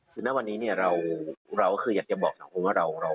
สินะวันนี้เนี้ยเราเราคืออยากจะบอกสำหรับคุณว่าเราเรา